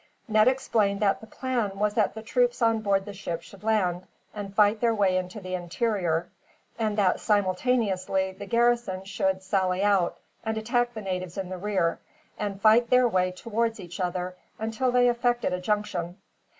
Ned explained that the plan was that the troops on board the ship should land, and fight their way into the interior; and that, simultaneously, the garrison should sally out and attack the natives in the rear; and fight their way towards each other, until they effected a junction.